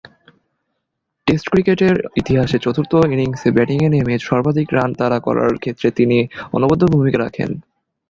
Test ক্রিকেটের ইতিহাসে চতুর্থ ইনিংসে ব্যাটিংয়ে নেমে সর্বাধিক রান তাড়া করার ক্ষেত্রে তিনি অনবদ্য ভূমিকা রাখেন।